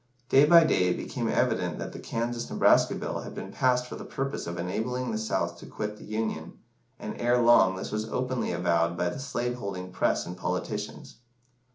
Day by day it became evident that the Kansas Nebraska Bill had been passed for the purpose of enabling the South to quit the Union, and ere long this was openly avowed by the slave holding press and politicians.